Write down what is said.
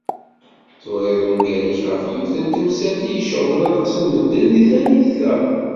Turiḍ ungal-ik ɣef yiwet n temsalt i iceɣben aṭas n medden deg tallit-a.